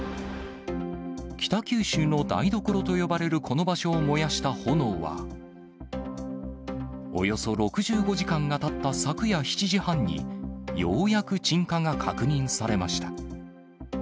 北九州の台所と呼ばれるこの場所を燃やした炎は、およそ６５時間がたった昨夜７時半に、ようやく鎮火が確認されました。